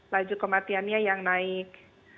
laju kematiannya yang naik